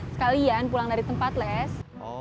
sekalian pulang dari tempat les